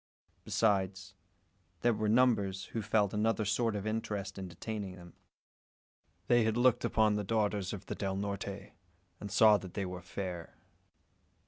Besides, there were numbers who felt another sort of interest in detaining them. They had looked upon the daughters of the Del Norte, and "saw that they were fair."